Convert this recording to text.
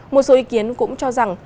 một số ý kiến cũng cho rằng